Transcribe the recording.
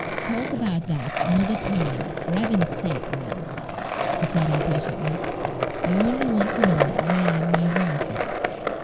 "Talk about that at another time, for Heaven's sake, ma'am," he said, impatiently. "I only want to know where my wife is.